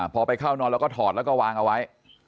พอไปเข้านอนแล้วก็ถอดแล้วก็วางเอาไว้